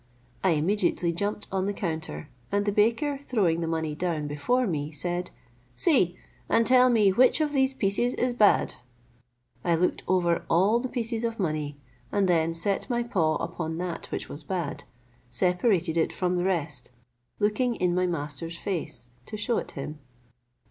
I immediately jumped on the counter, and the baker throwing the money down before me, said, "See, and tell me which of these pieces is bad?" I looked over all the pieces of money, and then set my paw upon that which was bad, separated it from the rest, looking in my master's face, to shew it him.